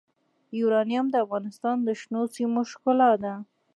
یورانیم د افغانستان د شنو سیمو ښکلا ده.